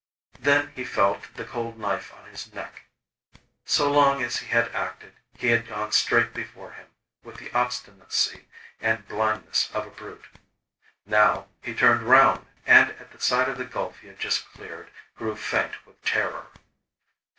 Then he felt the cold knife on his neck. So long as he had acted, he had gone straight before him, with the obstinacy and blindness of a brute. Now, he turned round, and at the sight of the gulf he had just cleared, grew faint with terror.